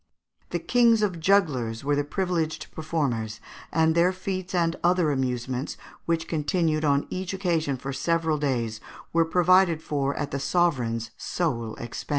The kings of jugglers were the privileged performers, and their feats and the other amusements, which continued on each occasion for several days, were provided for at the sovereign's sole expense.